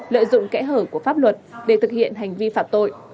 lợi dụng kẽ hở của pháp luật để thực hiện hành vi phạm tội